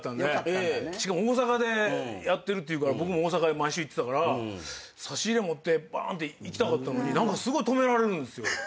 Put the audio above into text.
しかも大阪でやってるっていうから僕も大阪へ毎週行ってたから差し入れ持ってバーンって行きたかったのに何かすごい止められるんですよ。